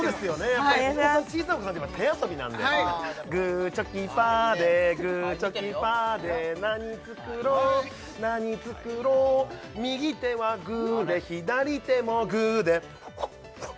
やっぱり小さいお子さんといえば手遊びなんでグーチョキパーでグーチョキパーでなにつくろうなにつくろう右手はグーで左手もグーでフッフッフッ！